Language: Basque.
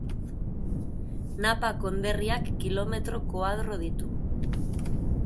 Napa konderriak kilometro koadro ditu.